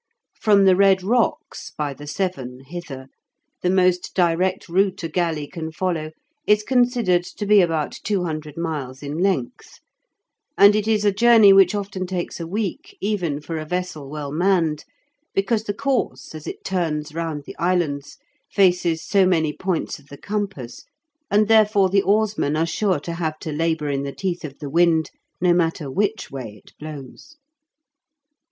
From the Red Rocks (by the Severn) hither, the most direct route a galley can follow is considered to be about 200 miles in length, and it is a journey which often takes a week even for a vessel well manned, because the course, as it turns round the islands, faces so many points of the compass, and therefore the oarsmen are sure to have to labour in the teeth of the wind, no matter which way it blows.